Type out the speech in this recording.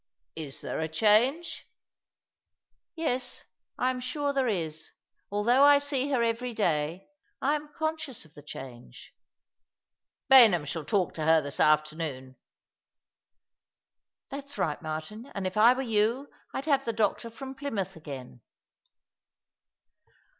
'*" Is there a change ?"*' Yes, I am sure there is. Although I see her every day, I am conscious of the change." " Baynham shall talk to her this afternoon." " That's right, Martin— and if I were you I'd have the doctor from Plymouth again."